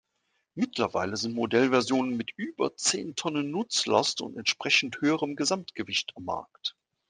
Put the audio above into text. Mittlerweile sind Modellversionen mit über zehn Tonnen Nutzlast und entsprechend höherem Gesamtgewicht am Markt.